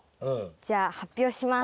じゃあ発表します。